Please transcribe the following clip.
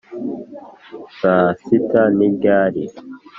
saa sita ni ryari?